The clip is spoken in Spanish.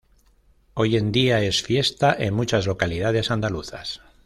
Hoy en día es fiesta en muchas localidades andaluzas.